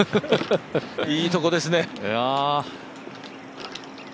いいとこですね。